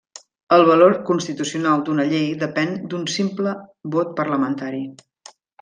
El valor constitucional d'una llei depèn d'un simple vot parlamentari.